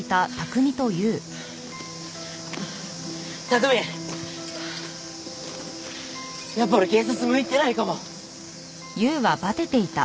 拓海やっぱ俺警察向いてないかも。